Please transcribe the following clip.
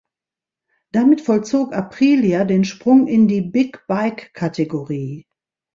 Damit vollzog Aprilia den Sprung in die „Big Bike“-Kategorie.